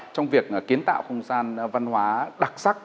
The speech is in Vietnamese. trong việc kiến tạo không gian văn hóa đặc sắc